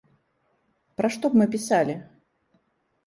Пра што б мы пісалі?